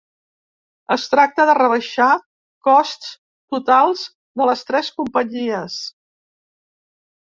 Es tracta de rebaixar costs totals de les tres companyies.